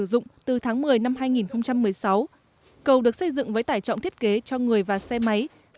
dụng từ tháng một mươi năm hai nghìn một mươi sáu cầu được xây dựng với tải trọng thiết kế cho người và xe máy